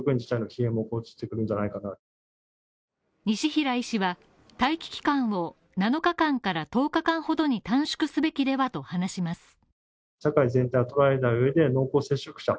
西平医師は待機期間を７日間から１０日間ほどに短縮すべきではと話します。